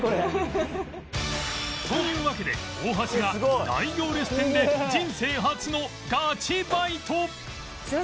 というわけで大橋が大行列店で人生初のガチバイト！